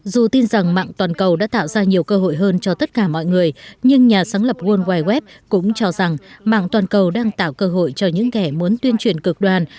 dù tin rằng mạng toàn cầu đã tạo ra nhiều cơ hội hơn cho tất cả mọi người nhưng nhà sáng lập world wide web cũng cho rằng mạng toàn cầu đang tạo cơ hội cho những kẻ muốn tuyên truyền cực đoàn